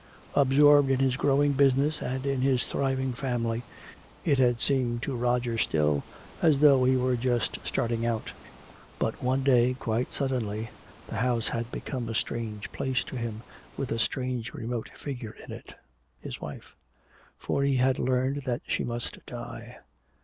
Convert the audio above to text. Absorbed in his growing business and in his thriving family, it had seemed to Roger still as though he were just starting out. But one day, quite suddenly, the house had become a strange place to him with a strange remote figure in it, his wife. For he had learned that she must die.